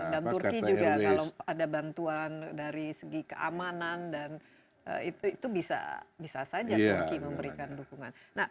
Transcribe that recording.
dan turki juga kalau ada bantuan dari segi keamanan dan itu bisa saja turki memberikan dukungan